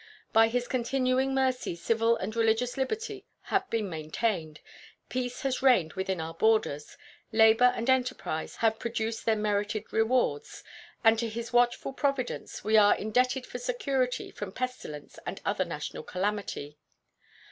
By His continuing mercy civil and religious liberty have been maintained, peace has reigned within our borders, labor and enterprise have produced their merited rewards; and to His watchful providence we are indebted for security from pestilence and other national calamity.